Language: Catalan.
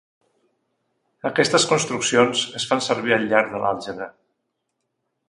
Aquestes construccions es fan servir al llarg de l'àlgebra.